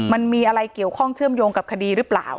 มันมีอะไรเกี่ยวข้องเชื่อมโยงกับคดีหรือเปล่า